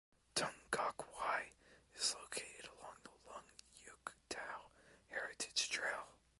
Tung Kok Wai is located along the Lung Yeuk Tau Heritage Trail.